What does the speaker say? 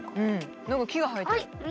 何か木が生えてる。